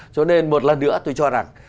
cho nên một lần nữa tôi cho rằng